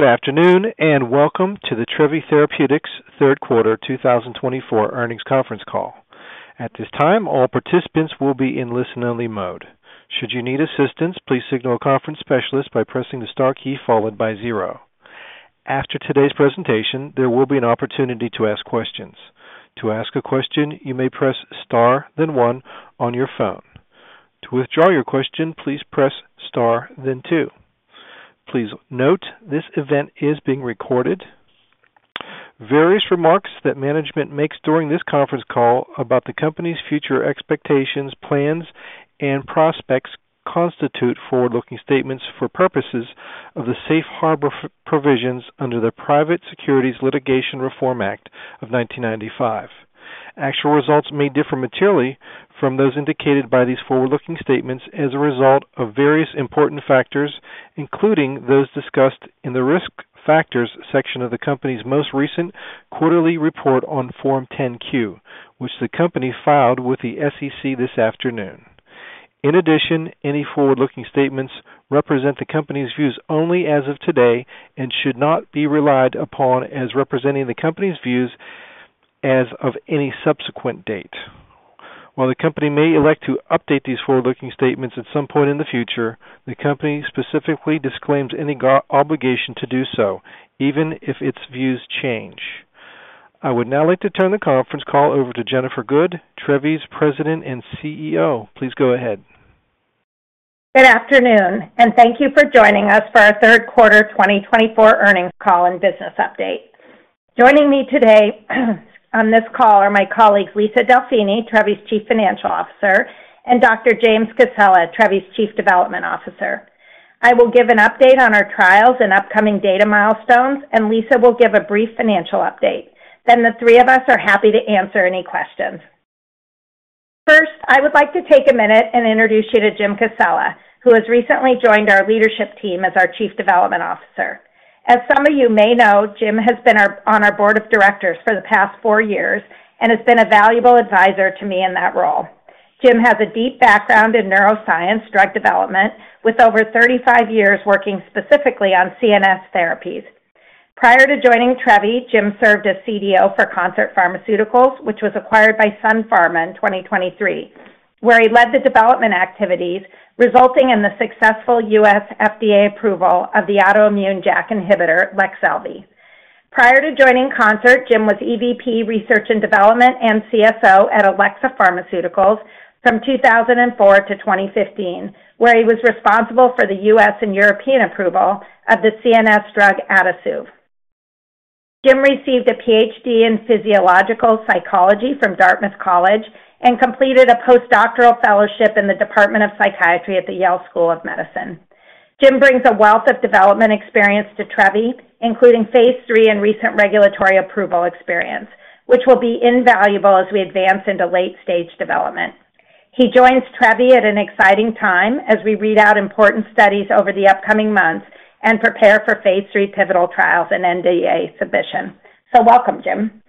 Good afternoon and welcome to the Trevi Therapeutics third quarter 2024 earnings conference call. At this time, all participants will be in listen-only mode. Should you need assistance, please signal a conference specialist by pressing the Star key followed by zero. After today's presentation, there will be an opportunity to ask questions. To ask a question, you may press Star, then one on your phone. To withdraw your question, please press Star, then two. Please note this event is being recorded. Various remarks that management makes during this conference call about the company's future expectations, plans, and prospects constitute forward-looking statements for purposes of the Safe Harbor provisions under the Private Securities Litigation Reform Act of 1995. Actual results may differ materially from those indicated by these forward-looking statements as a result of various important factors, including those discussed in the risk factors section of the company's most recent quarterly report on Form 10-Q, which the company filed with the SEC this afternoon. In addition, any forward-looking statements represent the company's views only as of today and should not be relied upon as representing the company's views as of any subsequent date. While the company may elect to update these forward-looking statements at some point in the future, the company specifically disclaims any obligation to do so, even if its views change. I would now like to turn the conference call over to Jennifer Good, Trevi's President and CEO. Please go ahead. Good afternoon, and thank you for joining us for our third quarter 2024 earnings call and business update. Joining me today on this call are my colleagues, Lisa Delfini, Trevi's Chief Financial Officer, and Dr. James Cassella, Trevi's Chief Development Officer. I will give an update on our trials and upcoming data milestones, and Lisa will give a brief financial update. Then the three of us are happy to answer any questions. First, I would like to take a minute and introduce you to Jim Cassella, who has recently joined our leadership team as our Chief Development Officer. As some of you may know, Jim has been on our board of directors for the past four years and has been a valuable advisor to me in that role. Jim has a deep background in neuroscience, drug development, with over 35 years working specifically on CNS therapies. Prior to joining Trevi, Jim served as CDO for Concert Pharmaceuticals, which was acquired by Sun Pharma in 2023, where he led the development activities, resulting in the successful U.S. FDA approval of the autoimmune JAK inhibitor, Leqselvi. Prior to joining Concert, Jim was EVP research and development and CSO at Alexza Pharmaceuticals from 2004 to 2015, where he was responsible for the U.S. and European approval of the CNS drug Adasuve. Jim received a PhD in physiological psychology from Dartmouth College and completed a postdoctoral fellowship in the Department of Psychiatry at the Yale School of Medicine. Jim brings a wealth of development experience to Trevi, including phase three and recent regulatory approval experience, which will be invaluable as we advance into late-stage development. He joins Trevi at an exciting time as we read out important studies over the upcoming months and prepare for phase 3 pivotal trials and NDA submission. So welcome, Jim.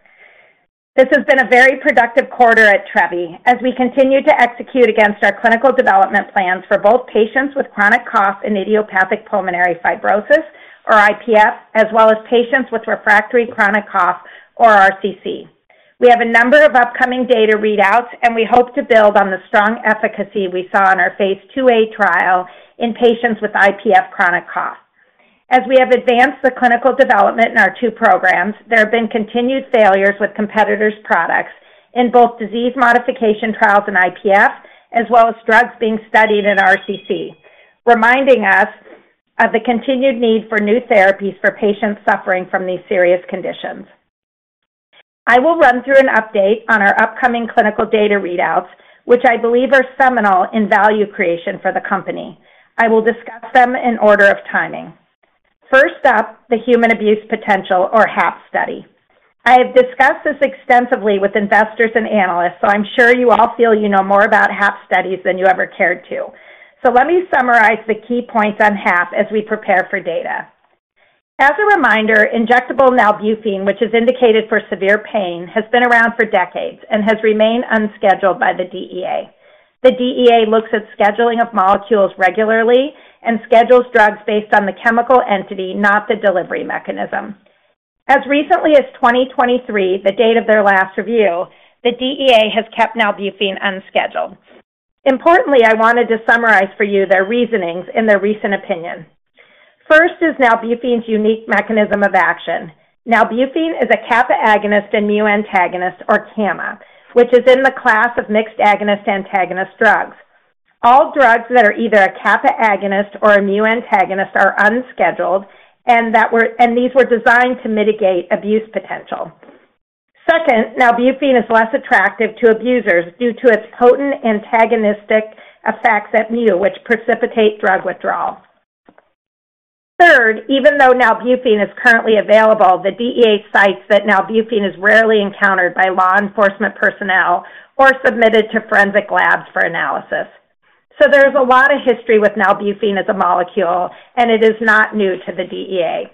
This has been a very productive quarter at Trevi. As we continue to execute against our clinical development plans for both patients with chronic cough and idiopathic pulmonary fibrosis, or IPF, as well as patients with refractory chronic cough, or RCC, we have a number of upcoming data readouts, and we hope to build on the strong efficacy we saw in our phase 2a trial in patients with IPF chronic cough. As we have advanced the clinical development in our two programs, there have been continued failures with competitors' products in both disease modification trials and IPF, as well as drugs being studied in RCC, reminding us of the continued need for new therapies for patients suffering from these serious conditions. I will run through an update on our upcoming clinical data readouts, which I believe are seminal in value creation for the company. I will discuss them in order of timing. First up, the human abuse potential, or HAP study. I have discussed this extensively with investors and analysts, so I'm sure you all feel you know more about HAP studies than you ever cared to. So let me summarize the key points on HAP as we prepare for data. As a reminder, injectable Nalbuphine, which is indicated for severe pain, has been around for decades and has remained unscheduled by the DEA. The DEA looks at scheduling of molecules regularly and schedules drugs based on the chemical entity, not the delivery mechanism. As recently as 2023, the date of their last review, the DEA has kept Nalbuphine unscheduled. Importantly, I wanted to summarize for you their reasonings in their recent opinion. First is Nalbuphine's unique mechanism of action. Nalbuphine is a kappa agonist and mu antagonist, or KAMA, which is in the class of mixed agonist-antagonist drugs. All drugs that are either a kappa agonist or a mu antagonist are unscheduled, and these were designed to mitigate abuse potential. Second, Nalbuphine is less attractive to abusers due to its potent antagonistic effects at mu, which precipitate drug withdrawal. Third, even though nalbuphine is currently available, the DEA cites that nalbuphine is rarely encountered by law enforcement personnel or submitted to forensic labs for analysis. So there is a lot of history with nalbuphine as a molecule, and it is not new to the DEA.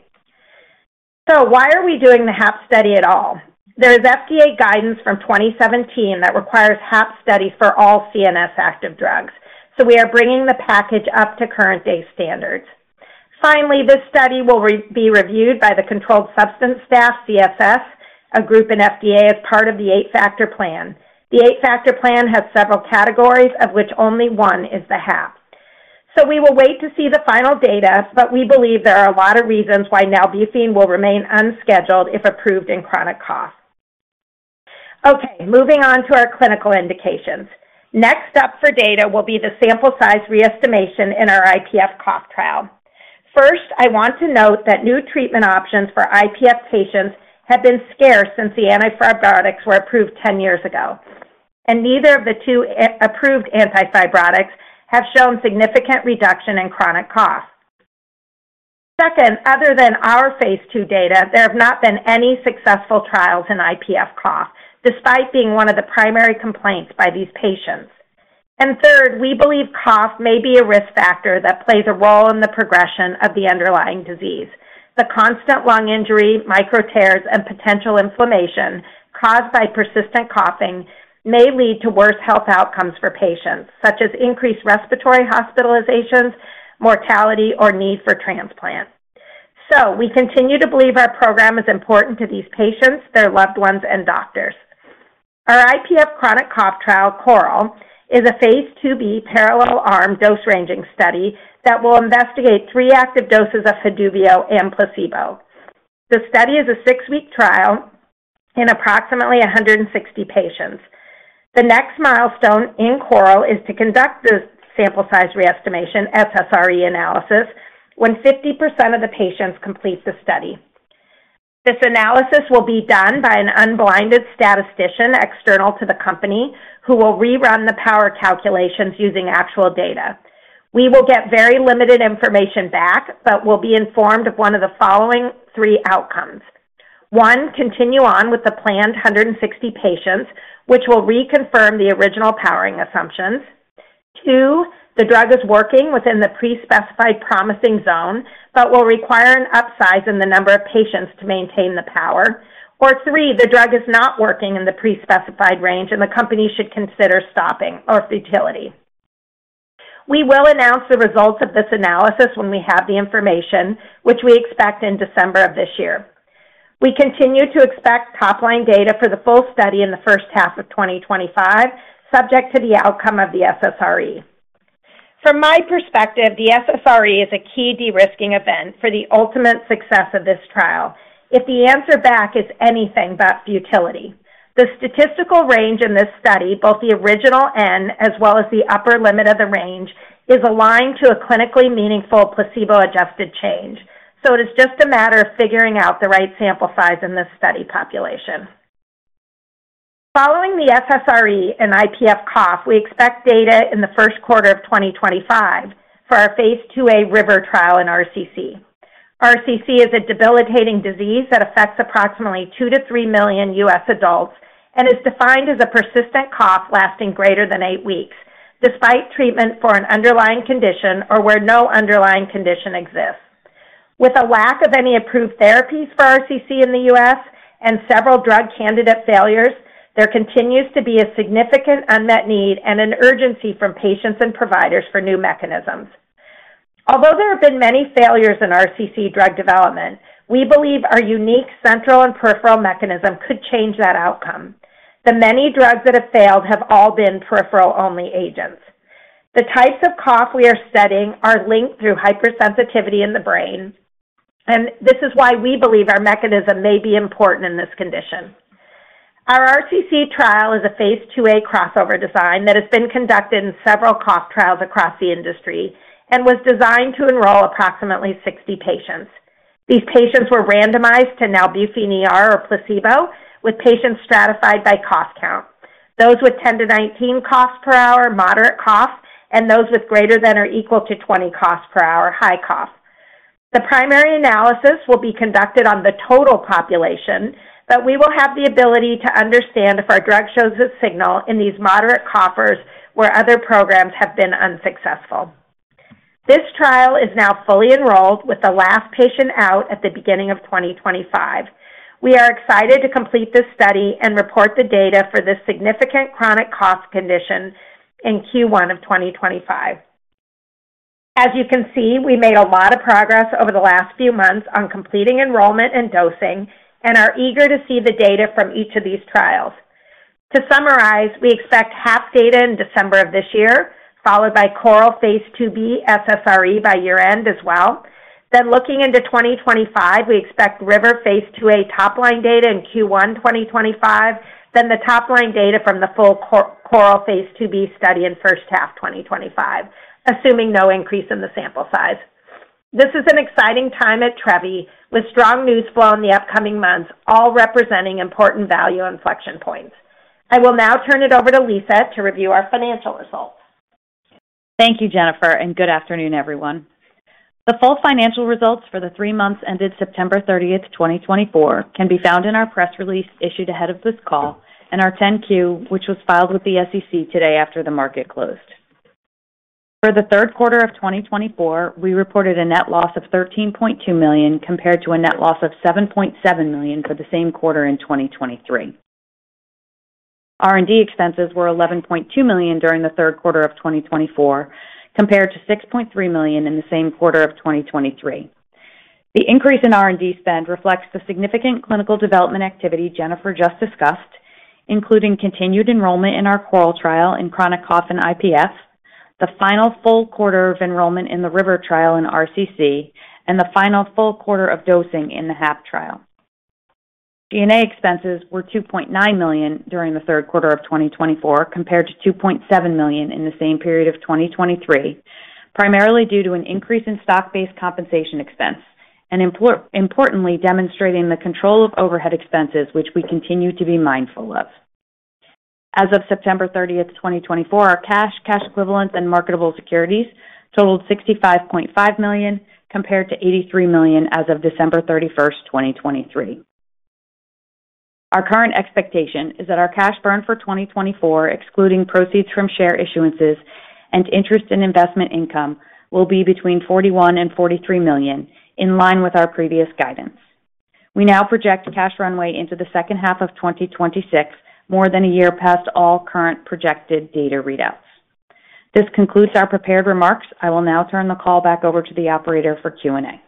So why are we doing the HAP study at all? There is FDA guidance from 2017 that requires HAP studies for all CNS active drugs. So we are bringing the package up to current-day standards. Finally, this study will be reviewed by the Controlled Substance Staff, CSS, a group in FDA as part of the eight-factor plan. The eight-factor plan has several categories, of which only one is the HAP. So we will wait to see the final data, but we believe there are a lot of reasons why nalbuphine will remain unscheduled if approved in chronic cough. Okay, moving on to our clinical indications. Next up for data will be the sample size re-estimation in our IPF cough trial. First, I want to note that new treatment options for IPF patients have been scarce since the antifibrotics were approved 10 years ago, and neither of the two approved antifibrotics have shown significant reduction in chronic cough. Second, other than our phase 2 data, there have not been any successful trials in IPF cough, despite being one of the primary complaints by these patients. And third, we believe cough may be a risk factor that plays a role in the progression of the underlying disease. The constant lung injury, micro tears, and potential inflammation caused by persistent coughing may lead to worse health outcomes for patients, such as increased respiratory hospitalizations, mortality, or need for transplant. So we continue to believe our program is important to these patients, their loved ones, and doctors. Our IPF chronic cough trial, CORAL, is a phase 2b parallel arm dose ranging study that will investigate three active doses of Haduvio and placebo. The study is a six-week trial in approximately 160 patients. The next milestone in CORAL is to conduct the sample size re-estimation, SSRE analysis, when 50% of the patients complete the study. This analysis will be done by an unblinded statistician external to the company who will rerun the power calculations using actual data. We will get very limited information back, but we'll be informed of one of the following three outcomes. One, continue on with the planned 160 patients, which will reconfirm the original powering assumptions. Two, the drug is working within the pre-specified promising zone, but will require an upsize in the number of patients to maintain the power. Or three, the drug is not working in the pre-specified range, and the company should consider stopping or futility. We will announce the results of this analysis when we have the information, which we expect in December of this year. We continue to expect top-line data for the full study in the first half of 2025, subject to the outcome of the SSRE. From my perspective, the SSRE is a key de-risking event for the ultimate success of this trial, if the answer back is anything but futility. The statistical range in this study, both the original N as well as the upper limit of the range, is aligned to a clinically meaningful placebo-adjusted change. So it is just a matter of figuring out the right sample size in this study population. Following the SSRE and IPF cough, we expect data in the first quarter of 2025 for our phase 2a RIVER trial in RCC. RCC is a debilitating disease that affects approximately two to three million U.S. adults and is defined as a persistent cough lasting greater than eight weeks, despite treatment for an underlying condition or where no underlying condition exists. With a lack of any approved therapies for RCC in the U.S. and several drug candidate failures, there continues to be a significant unmet need and an urgency from patients and providers for new mechanisms. Although there have been many failures in RCC drug development, we believe our unique central and peripheral mechanism could change that outcome. The many drugs that have failed have all been peripheral-only agents. The types of cough we are studying are linked through hypersensitivity in the brain, and this is why we believe our mechanism may be important in this condition. Our RCC trial is a phase 2a crossover design that has been conducted in several cough trials across the industry and was designed to enroll approximately 60 patients. These patients were randomized to Nalbuphine or placebo, with patients stratified by cough count: those with 10-19 coughs per hour, moderate cough, and those with greater than or equal to 20 coughs per hour, high cough. The primary analysis will be conducted on the total population, but we will have the ability to understand if our drug shows a signal in these moderate coughers where other programs have been unsuccessful. This trial is now fully enrolled with the last patient out at the beginning of 2025. We are excited to complete this study and report the data for this significant chronic cough condition in Q1 2025. As you can see, we made a lot of progress over the last few months on completing enrollment and dosing and are eager to see the data from each of these trials. To summarize, we expect HAP data in December of this year, followed by CORAL phase 2b SSRE by year-end as well. Then looking into 2025, we expect RIVER phase 2a top-line data in Q1 2025, then the top-line data from the full CORAL phase 2b study in first half 2025, assuming no increase in the sample size. This is an exciting time at Trevi, with strong news flow in the upcoming months, all representing important value inflection points. I will now turn it over to Lisa to review our financial results. Thank you, Jennifer, and good afternoon, everyone. The full financial results for the three months ended September 30th, 2024, can be found in our press release issued ahead of this call and our 10-Q, which was filed with the SEC today after the market closed. For the third quarter of 2024, we reported a net loss of $13.2 million compared to a net loss of $7.7 million for the same quarter in 2023. R&D expenses were $11.2 million during the third quarter of 2024, compared to $6.3 million in the same quarter of 2023. The increase in R&D spend reflects the significant clinical development activity Jennifer just discussed, including continued enrollment in our CORAL trial in chronic cough and IPF, the final full quarter of enrollment in the RIVER trial in RCC, and the final full quarter of dosing in the HAP trial. R&D expenses were $2.9 million during the third quarter of 2024, compared to $2.7 million in the same period of 2023, primarily due to an increase in stock-based compensation expense, and importantly, demonstrating the control of overhead expenses, which we continue to be mindful of. As of September 30th, 2024, our cash, cash equivalents, and marketable securities totaled $65.5 million, compared to $83 million as of December 31st, 2023. Our current expectation is that our cash burn for 2024, excluding proceeds from share issuances and interest in investment income, will be between $41 million and $43 million, in line with our previous guidance. We now project cash runway into the second half of 2026, more than a year past all current projected data readouts. This concludes our prepared remarks. I will now turn the call back over to the operator for Q&A.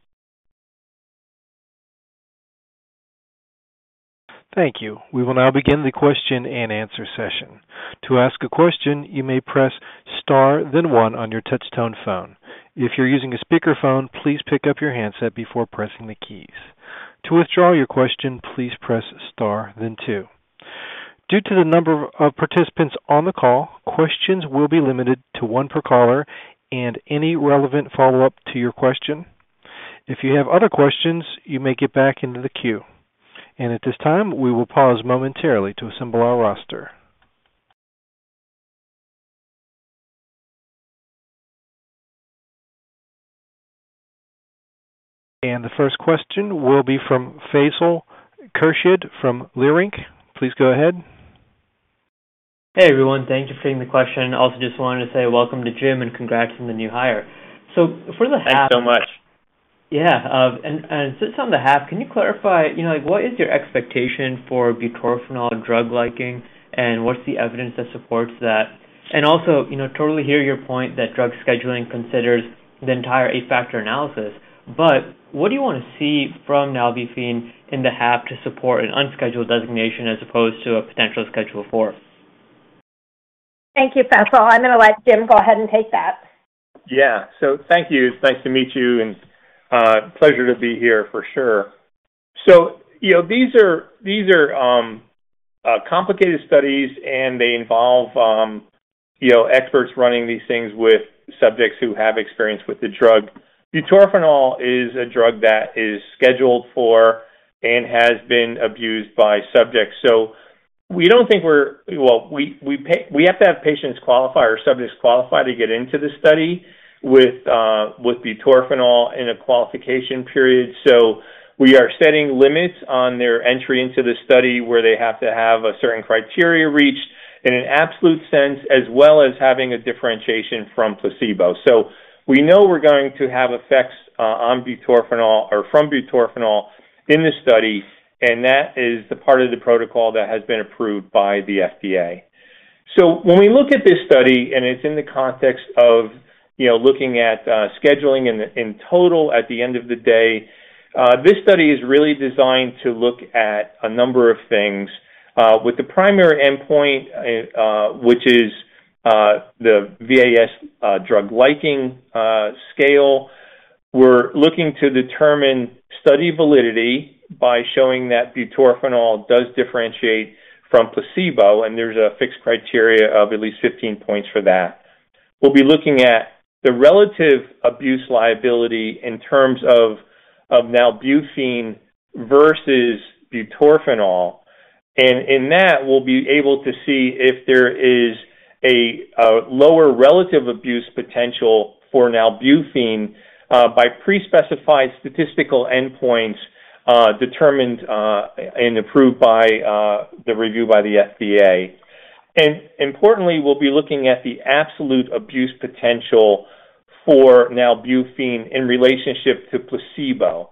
Thank you. We will now begin the question and answer session. To ask a question, you may press Star, then one on your touch-tone phone. If you're using a speakerphone, please pick up your handset before pressing the keys. To withdraw your question, please press Star, then two. Due to the number of participants on the call, questions will be limited to one per caller and any relevant follow-up to your question. If you have other questions, you may get back into the queue. And at this time, we will pause momentarily to assemble our roster. And the first question will be from Faisal Khurshid from Leerink. Please go ahead. Hey, everyone. Thank you for taking the question. Also, just wanted to say welcome to Jim and congrats on the new hire. So for the HAP Yeah. And since on the HAP, can you clarify, what is your expectation for butorphanol drug liking, and what's the evidence that supports that? And also, totally hear your point that drug scheduling considers the entire eight-factor analysis. But what do you want to see from Nalbuphine in the HAP to support an unscheduled designation as opposed to a potential schedule for? Thank you, Faisal. I'm going to let Jim go ahead and take that. Yeah. So thank you. It's nice to meet you, and pleasure to be here for sure. So these are complicated studies, and they involve experts running these things with subjects who have experience with the drug. Butorphanol is a drug that is scheduled for and has been abused by subjects. So we don't think we're. Well, we have to have patients qualify or subjects qualify to get into the study with butorphanol in a qualification period. So we are setting limits on their entry into the study where they have to have a certain criteria reached in an absolute sense, as well as having a differentiation from placebo. So we know we're going to have effects on butorphanol or from butorphanol in this study, and that is the part of the protocol that has been approved by the FDA. So when we look at this study, and it's in the context of looking at scheduling in total at the end of the day, this study is really designed to look at a number of things. With the primary endpoint, which is the VAS drug liking scale, we're looking to determine study validity by showing that butorphanol does differentiate from placebo, and there's a fixed criteria of at least 15 points for that. We'll be looking at the relative abuse liability in terms of Nalbuphine versus butorphanol. And in that, we'll be able to see if there is a lower relative abuse potential for Nalbuphine by pre-specified statistical endpoints determined and approved by the review by the FDA. And importantly, we'll be looking at the absolute abuse potential for Nalbuphine in relationship to placebo.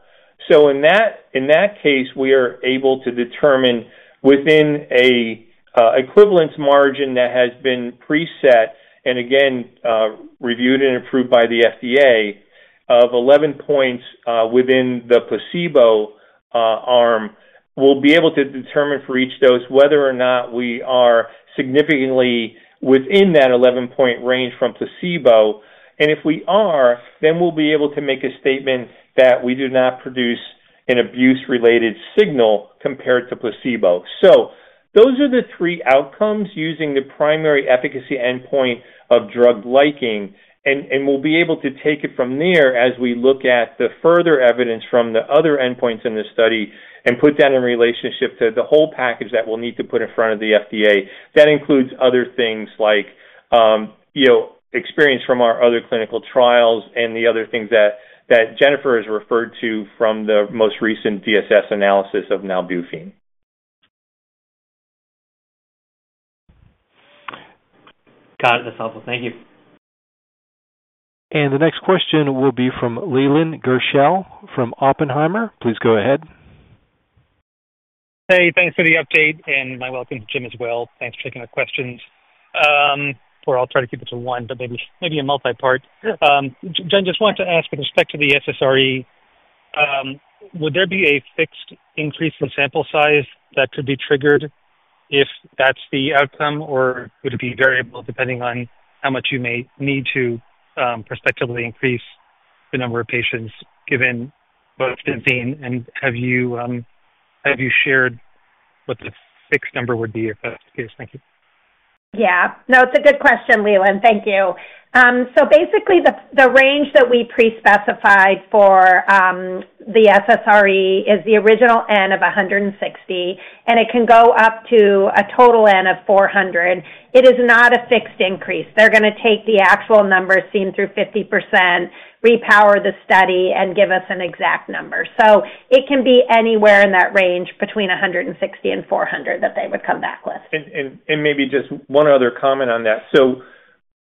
So in that case, we are able to determine within an equivalence margin that has been preset and again reviewed and approved by the FDA of 11 points within the placebo arm. We'll be able to determine for each dose whether or not we are significantly within that 11-point range from placebo. And if we are, then we'll be able to make a statement that we do not produce an abuse-related signal compared to placebo. So those are the three outcomes using the primary efficacy endpoint of drug liking, and we'll be able to take it from there as we look at the further evidence from the other endpoints in this study and put that in relationship to the whole package that we'll need to put in front of the FDA. That includes other things like experience from our other clinical trials and the other things that Jennifer has referred to from the most recent SSRE analysis of nalbuphine. Got it. That's helpful. Thank you. And the next question will be from Leland Gershell from Oppenheimer. Please go ahead. Hey, thanks for the update, and a welcome to Jim as well. Thanks for taking my questions. Or I'll try to keep it to one, but maybe a multi-part. Jen, just wanted to ask with respect to the SSRE, would there be a fixed increase in sample size that could be triggered if that's the outcome, or would it be variable depending on how much you may need to prospectively increase the number of patients given the variance? And have you shared what the fixed number would be if that's the case? Thank you. Yeah. No, it's a good question, Leland. Thank you. So basically, the range that we pre-specified for the SSRE is the original N of 160, and it can go up to a total N of 400. It is not a fixed increase. They're going to take the actual number, seeing through 50%, repower the study, and give us an exact number. So it can be anywhere in that range between 160 and 400 that they would come back with. And maybe just one other comment on that.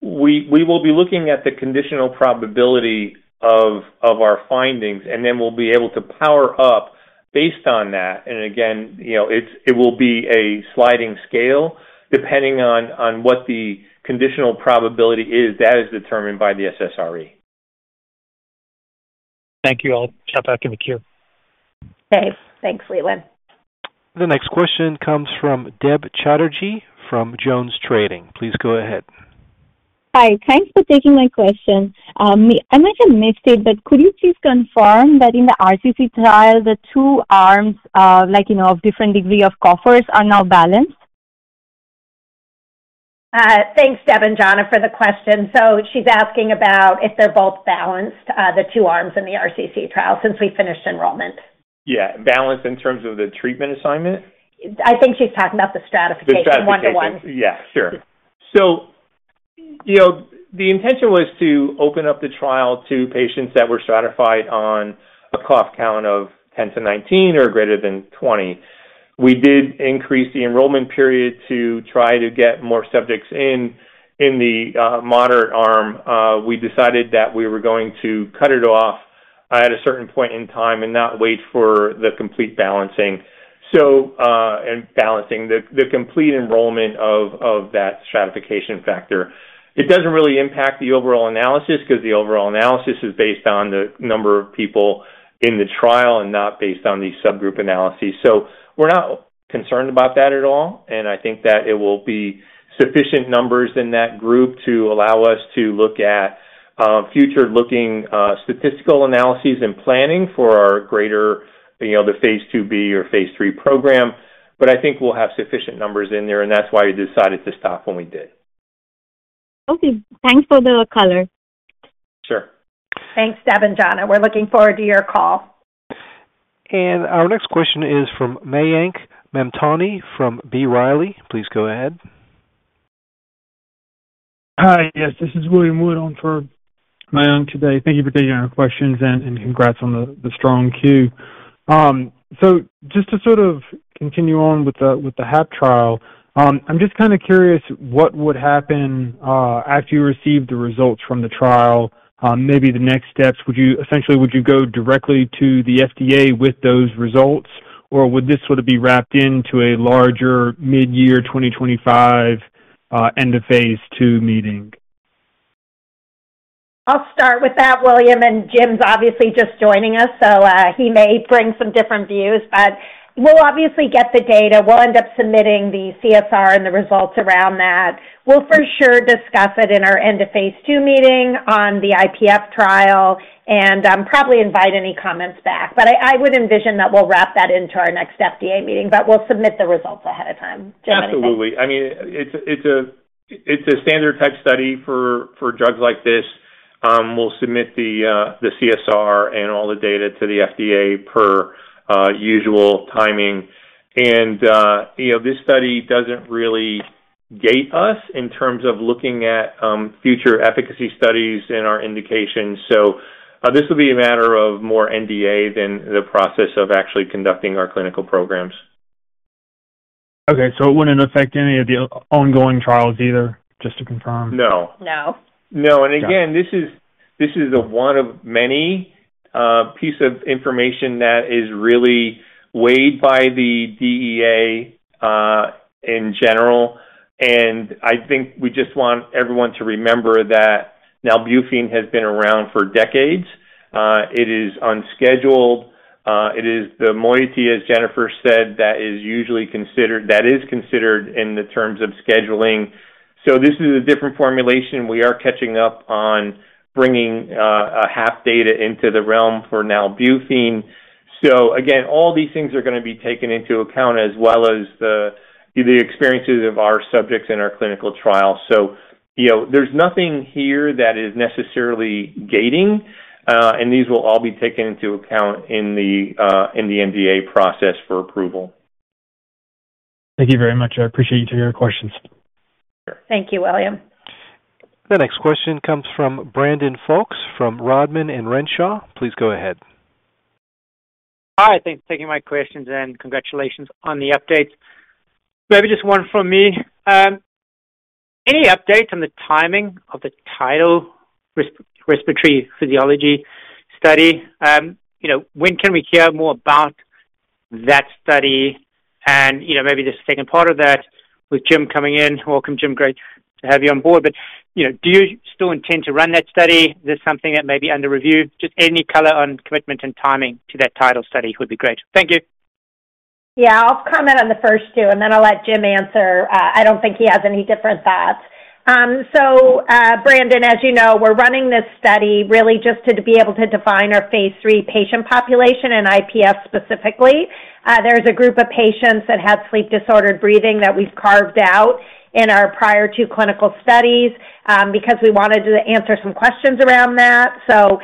So we will be looking at the conditional probability of our findings, and then we'll be able to power up based on that. And again, it will be a sliding scale depending on what the conditional probability is that is determined by the SSRE. Thank you. I'll step back in the queue. Okay. Thanks, Leland. The next question comes from Deb Chatterjee from Jones Trading. Please go ahead. Hi. Thanks for taking my question. I might have missed it, but could you please confirm that in the RCC trial, the two arms of different degree of coughers are now balanced? Thanks, Debanjali, for the question. So she's asking about if they're both balanced, the two arms in the RCC trial, since we finished enrollment. Yeah. Balanced in terms of the treatment assignment? I think she's talking about the stratification. One to one. The stratification. Yeah. Sure. So the intention was to open up the trial to patients that were stratified on a cough count of 10 to 19 or greater than 20. We did increase the enrollment period to try to get more subjects in the moderate arm. We decided that we were going to cut it off at a certain point in time and not wait for the complete balancing and the complete enrollment of that stratification factor. It doesn't really impact the overall analysis because the overall analysis is based on the number of people in the trial and not based on the subgroup analyses. So we're not concerned about that at all. And I think that it will be sufficient numbers in that group to allow us to look at future-looking statistical analyses and planning for our phase 2B or phase 3 program. But I think we'll have sufficient numbers in there, and that's why we decided to stop when we did. Okay. Thanks for the color. Sure. Thanks, Debanjali We're looking forward to your call. Our next question is from Mayank Mamtani from B. Riley. Please go ahead. Hi. Yes, this is William Wood on for Mayank today. Thank you for taking our questions and congrats on the strong Q. So just to sort of continue on with the HAP trial, I'm just kind of curious what would happen after you received the results from the trial, maybe the next steps. Essentially, would you go directly to the FDA with those results, or would this sort of be wrapped into a larger mid-year 2025 end-of-phase two meeting? I'll Start with that, William. And Jim's obviously just joining us, so he may bring some different views. But we'll obviously get the data. We'll end up submitting the CSR and the results around that. We'll for sure discuss it in our end-of-phase two meeting on the IPF trial and probably invite any comments back. But I would envision that we'll wrap that into our next FDA meeting. But we'll submit the results ahead of time. Absolutely. I mean, it's a standard-type study for drugs like this. We'll submit the CSR and all the data to the FDA per usual timing. And this study doesn't really gate us in terms of looking at future efficacy studies and our indications. So this will be a matter of more NDA than the process of actually conducting our clinical programs. Okay. So it wouldn't affect any of the ongoing trials either, just to confirm? No. No. And again, this is a one-of-many piece of information that is really weighed by the DEA in general. And I think we just want everyone to remember that Nalbuphine has been around for decades. It is unscheduled. It is the moiety, as Jennifer said, that is usually considered in the terms of scheduling. So this is a different formulation. We are catching up on bringing HAP data into the realm for Nalbuphine. So again, all these things are going to be taken into account as well as the experiences of our subjects in our clinical trial. So there's nothing here that is necessarily gating, and these will all be taken into account in the NDA process for approval. Thank you very much. I appreciate you taking our questions. Thank you, William. The next question comes from Brandon Folkes from Rodman & Renshaw. Please go ahead. Hi. Thanks for taking my questions, and congratulations on the updates. Maybe just one from me. Any updates on the timing of the tidal respiratory physiology study? When can we hear more about that study? And maybe the second part of that with Jim coming in. Welcome, Jim. Great to have you on board. But do you still intend to run that study? Is this something that may be under review? Just any color on commitment and timing to that tidal study would be great. Thank you. Yeah. I'll comment on the first two, and then I'll let Jim answer. I don't think he has any different thoughts. So Brandon, as you know, we're running this study really just to be able to define our phase three patient population and IPF specifically. There's a group of patients that had sleep-disordered breathing that we've carved out in our prior two clinical studies because we wanted to answer some questions around that. So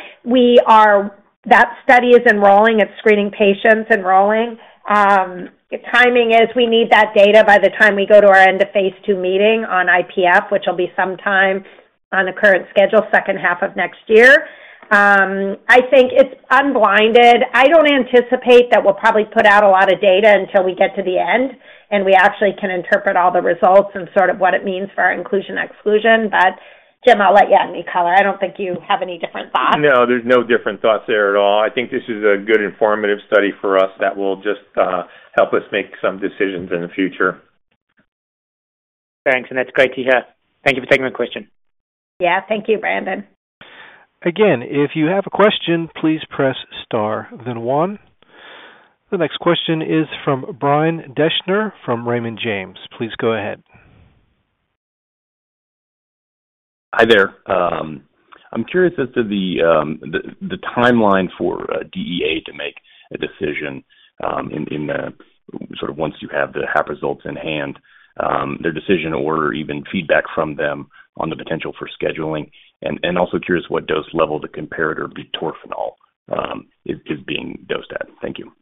that study is enrolling. It's screening patients, enrolling. The timing is we need that data by the time we go to our end-of-phase two meeting on IPF, which will be sometime, on the current schedule, second half of next year. I think it's unblinded. I don't anticipate that we'll probably put out a lot of data until we get to the end and we actually can interpret all the results and sort of what it means for our inclusion/exclusion. But Jim, I'll let you have any color. I don't think you have any different thoughts. No. There's no different thoughts there at all. I think this is a good informative study for us that will just help us make some decisions in the future. Thanks. And that's great to hear. Thank you for taking my question. Yeah. Thank you, Brandon. Again, if you have a question, please press Star, then one. The next question is from Ryan Deschner from Raymond James. Please go ahead. Hi there. I'm curious as to the timeline for DEA to make a decision, in the sort of once you have the HAP results in hand, their decision or even feedback from them on the potential for scheduling, and also curious what dose level the comparator Butorphanol is being dosed at? Thank you.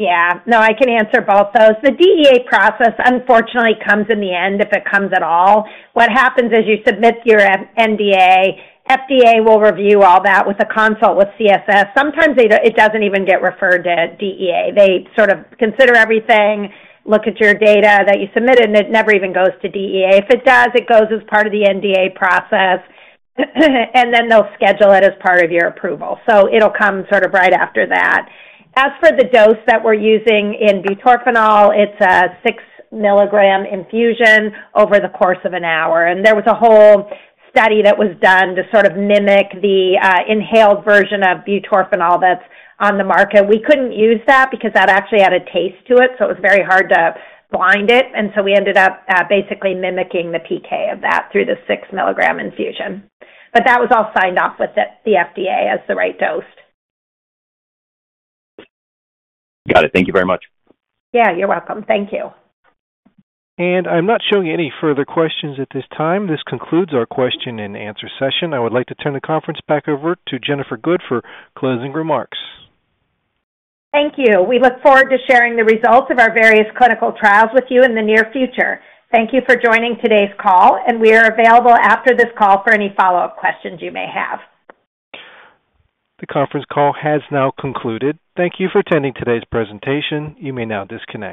Yeah. No, I can answer both those. The DEA process, unfortunately, comes in the end if it comes at all. What happens is you submit your NDA. FDA will review all that with a consult with CSS. Sometimes it doesn't even get referred to DEA. They sort of consider everything, look at your data that you submitted, and it never even goes to DEA. If it does, it goes as part of the NDA process, and then they'll schedule it as part of your approval. So it'll come sort of right after that. As for the dose that we're using in Butorphanol, it's a six-milligram infusion over the course of an hour. And there was a whole study that was done to sort of mimic the inhaled version of Butorphanol that's on the market. We couldn't use that because that actually had a taste to it, so it was very hard to blind it. And so we ended up basically mimicking the PK of that through the six-milligram infusion. But that was all signed off with the FDA as the right dose. Got it. Thank you very much. Yeah. You're welcome. Thank you. I'm not showing any further questions at this time. This concludes our question-and-answer session. I would like to turn the conference back over to Jennifer Good for closing remarks. Thank you. We look forward to sharing the results of our various clinical trials with you in the near future. Thank you for joining today's call, and we are available after this call for any follow-up questions you may have. The conference call has now concluded. Thank you for attending today's presentation. You may now disconnect.